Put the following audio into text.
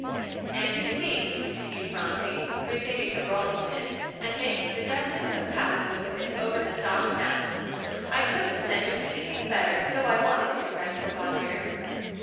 "And you see," continued Phronsie, receiving the rolling pin, and making the deftest of passes with it over the soft mass, "I couldn't send you anything better, though I wanted to, Grandpapa dear."